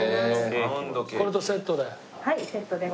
これとセットで。